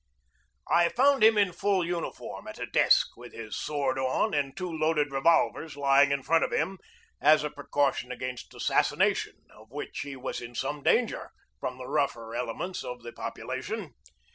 I found him in full uniform at a desk, with his sword on and two loaded revolvers lying in front of him as a precaution against assassination, of which he was in some danger from the rougher elements of the population.